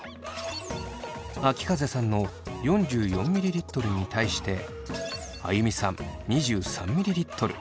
あきかぜさんの４４ｍｌに対してあゆみさん２３ｍｌ。